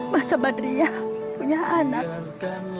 masa badriah punya anak